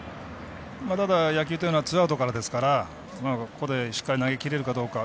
ただ、野球というのはツーアウトからですからここでしっかり投げきれるかどうか。